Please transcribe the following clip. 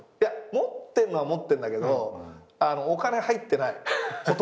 持ってんのは持ってんだけどお金入ってないほとんど。